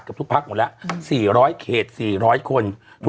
กับทุกภาคหมดและสี่ร้อยเขตสี่ร้อยคน